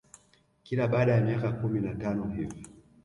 Kila baada ya miaka kumi na tano hivi